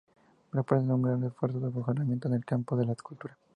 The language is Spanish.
Representa un gran esfuerzo de mejoramiento en el campo de la escultura.